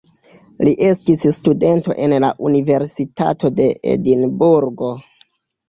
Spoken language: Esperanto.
Li estis studento en la universitato de Edinburgo.